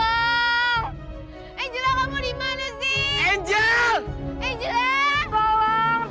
angela kamu dimana sih